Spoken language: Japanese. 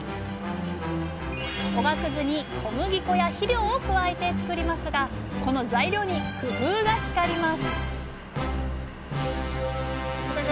おがくずに小麦粉や肥料を加えて作りますがこの材料に工夫が光ります